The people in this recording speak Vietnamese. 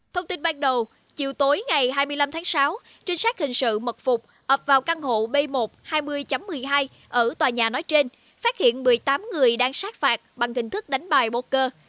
thông tin ban đầu chiều tối ngày hai mươi năm tháng sáu trinh sát hình sự mật phục ập vào căn hộ b một hai mươi một mươi hai ở tòa nhà nói trên phát hiện một mươi tám người đang sát phạt bằng hình thức đánh bài poker